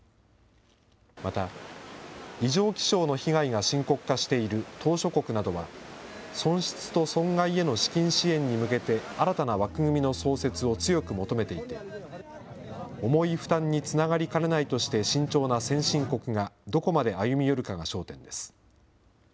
また、異常気象の被害が深刻化している島しょ国などは、損失と損害への資金支援に向けて新たな枠組みの創設を強く求めていて、重い負担につながりかねないとして慎重な先進国が、どこまで歩み寄るかが焦点です。